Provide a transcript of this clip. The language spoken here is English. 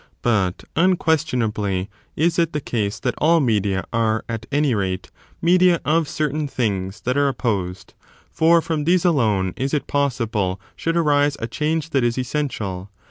271 But, unquestionably, is it the case that all media j aii media ai*e, at any rate, media of certain things that are presuppose op> opposed ; for from these alone is it possible should p^°°* arise a change that is essential.